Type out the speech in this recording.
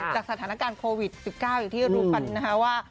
จากสถานการณ์โควิด๑๙อย่างที่รู้กันนะคะว่า